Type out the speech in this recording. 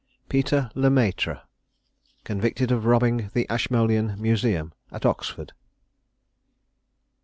PETER LE MAITRE. CONVICTED OF ROBBING THE ASHMOLEAN MUSEUM AT OXFORD.